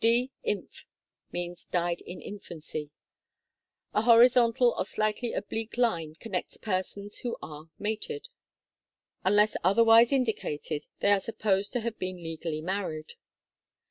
"d. inf." means died in infancy. A horizontal or slightly oblique line connects persons who are mated. Unless otherwise indicated, they are supposed to have been legally married.